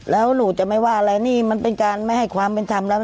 แล้วหนูจะไม่ว่าอะไรนี่มันเป็นการไม่ให้ความเป็นธรรมแล้ว